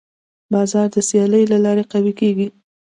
بازار د سیالۍ له لارې قوي کېږي.